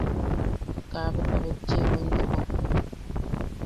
Kaabeta betchiʼibo intoko.